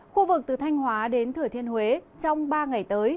khu vực từ thanh hóa đến thừa thiên huế trong ba ngày tới